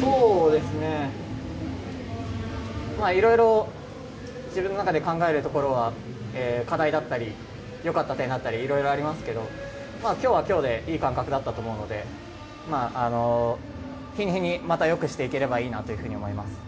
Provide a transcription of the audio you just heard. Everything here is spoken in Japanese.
そうですね、いろいろ自分の中で考えるところは課題だったり、よかった点だったり、いろいろありますけど、きょうはきょうでいい感覚だったと思うので、日に日にまたよくしていければいいというふうに思います。